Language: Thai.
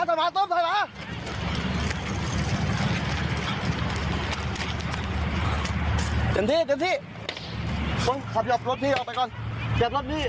เติมที่